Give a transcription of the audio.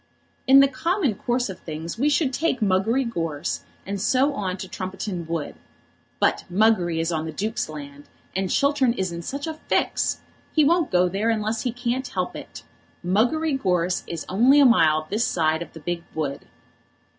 "In the common course of things we should take Muggery Gorse, and so on to Trumpeton Wood. But Muggery is on the Duke's land, and Chiltern is in such a fix! He won't go there unless he can't help it. Muggery Gorse is only a mile this side of the big wood."